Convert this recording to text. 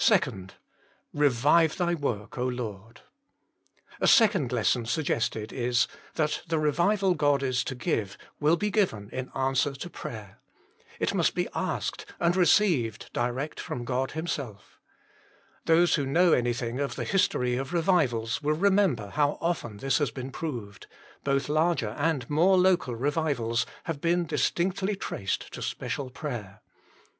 Revive Thy work, Lord I " A second lesson suggested is, that the revival God is to give will be given in answer to prayer. It must be asked and received direct from God Himself. Those who know anything of the history of revivals will remember how often this has been proved both larger and more local revivals have been distinctly traced to special prayer.